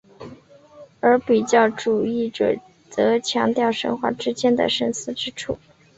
而比较主义者则强调神话之间的相似之处。